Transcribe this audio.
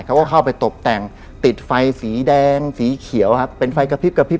เขาก็เข้าไปตบแต่งติดไฟสีแดงสีเขียวเป็นไฟกระพริบ